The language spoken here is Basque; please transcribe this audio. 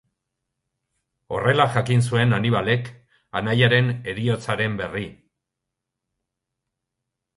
Horrela jakin zuen Hanibalek anaiaren heriotzaren berri.